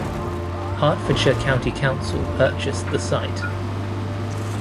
Hertfordshire County Council purchased the site.